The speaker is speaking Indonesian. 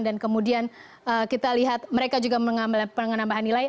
dan kemudian kita lihat mereka juga menambah nilai